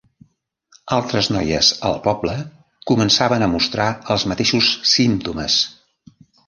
Altres noies al poble començaven a mostrar els mateixos símptomes.